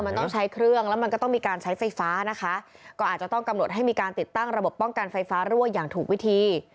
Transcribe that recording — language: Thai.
มันต้องใช้เครื่องแล้วมันก็ต้องมีการใช้ไฟฟ้านะคะก็อาจจะต้องกำหนดให้มีการติดตั้งระบบป้องกันไฟฟ้ารั่วอย่างถูกวิธี